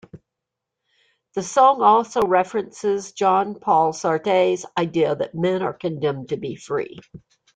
The song also references Jean-Paul Sartre's idea that men are "condemned to be free".